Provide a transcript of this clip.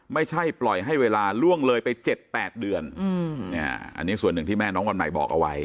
ไม่ใช่ปล่อยให้เวลาล่วงเลยไป๗๘เดือนอันนี้ส่วนหนึ่งที่แม่น้องวันใหม่บอกเอาไว้